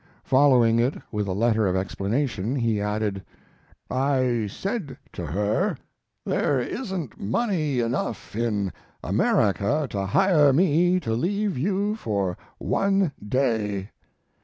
Following it with a letter of explanation, he added: "I said to her, 'There isn't money enough in America to hire me to leave you for one day.'"